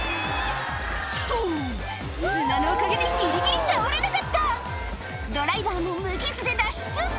っと砂のおかげでギリギリ倒れなかったドライバーも無傷で脱出